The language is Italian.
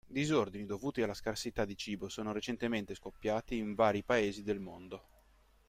Disordini dovuti alla scarsità di cibo sono recentemente scoppiati in vari paesi del mondo.